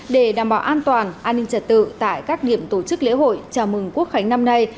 để đảm bảo an toàn an ninh trật tự tại các điểm tổ chức lễ hội chào mừng quốc khánh năm nay